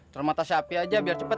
tulang mata sapi aja biar cepet